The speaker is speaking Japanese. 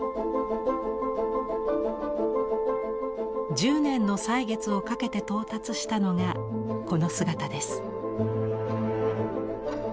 １０年の歳月をかけて到達したのがこの姿です。